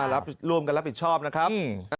ร่วมกันรับผิดชอบนะครับ